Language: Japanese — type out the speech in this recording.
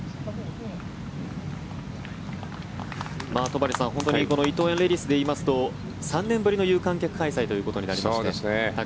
戸張さん、本当にこの伊藤園レディスで言いますと３年ぶりの有観客開催ということになりました。